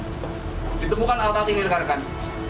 ditemukan alat tinggi rekan rekan